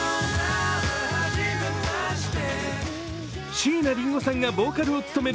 椎名林檎さんがボーカルを務める